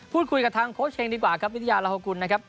พูดคุยกับทางโค้ชเฮงดีกว่าครับวิทยาลาฮกุลนะครับ